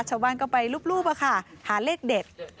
ชาวบ้านก็ไปรูปหาเลขเด็ด